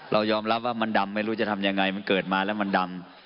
เรายอมรับว่ามันดำไม่รู้จะทำยังไงมันเกิดมาแล้วมันดำ